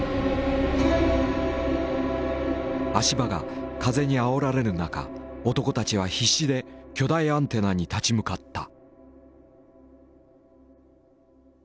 足場が風にあおられる中男たちは必死で巨大アンテナに立ち向かった。